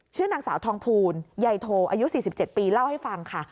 ชื่อนางสาวทองภูลใยโทอายุ๔๗ปีเล่าให้ฟังค่ะ